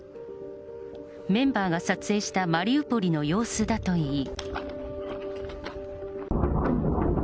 メンバーが撮影したマリウポリの様子だといい。